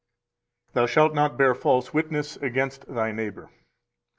254 Thou shalt not bear false witness against thy neighbor.